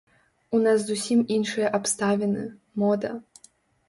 У нас зусім іншыя абставіны, мода.